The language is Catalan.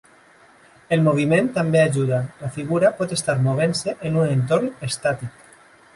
El moviment també ajuda; la figura pot estar movent-se en un entorn estàtic.